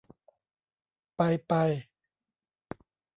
ไปไป